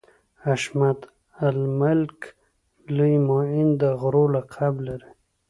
حشمت الملک لوی معین د غرو لقب لري.